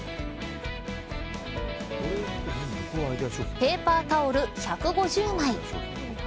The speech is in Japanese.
ペーパータオル１５０枚。